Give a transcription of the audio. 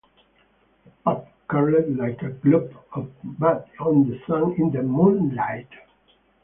The pup curled like a glob of mud on the sand in the moonlight.